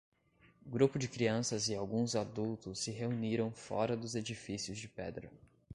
Grupo de crianças e alguns adultos se reuniram fora dos edifícios de pedra.